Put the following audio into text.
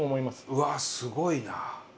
うわすごいな。